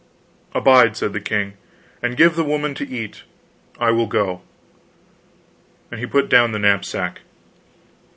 "Abide," said the king, "and give the woman to eat. I will go." And he put down the knapsack.